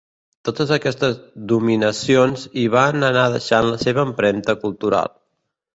Totes aquestes dominacions hi van anar deixant la seva empremta cultural.